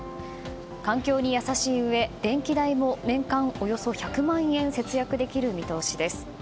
環境に優しいうえ電気代も年間およそ１００万円節約できる見通しです。